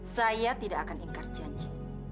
saya tidak akan ingkar janji